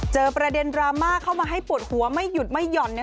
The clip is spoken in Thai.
ประเด็นดราม่าเข้ามาให้ปวดหัวไม่หยุดไม่หย่อน